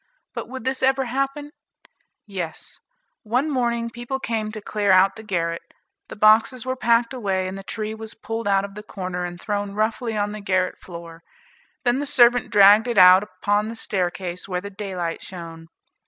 But would this ever happen? Yes; one morning people came to clear out the garret, the boxes were packed away, and the tree was pulled out of the corner, and thrown roughly on the garret floor; then the servant dragged it out upon the staircase where the daylight shone.